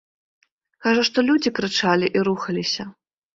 Кажа, што людзі крычалі і рухаліся.